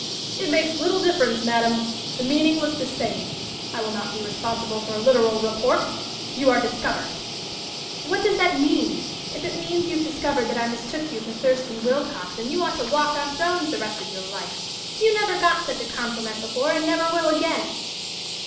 '" "It makes little difference, madam! The meaning was the same. I will not be responsible for a literal report. You are discovered." "What does that mean? If it means you have discovered that I mistook you for Thurston Willcoxen, you ought to 'walk on thrones' the rest of your life! You never got such a compliment before, and never will again!"